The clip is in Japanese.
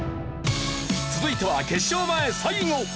続いては決勝前最後。